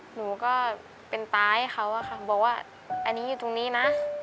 หนูก็เป็นตายให้เขาอะค่ะบอกว่าอันนี้อยู่ตรงนี้นะ